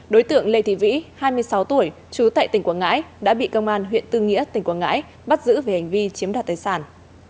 đối tượng lê thị vĩ hai mươi sáu tuổi trú tại tỉnh quảng ngãi đã bị công an huyện tư nghĩa tỉnh quảng ngãi bắt giữ về hành vi chiếm đoạt tài sản